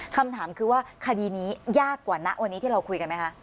คำถามคือว่าคดีนี้ยากกว่าณวันนี้ที่เราคุยกันไหมคะ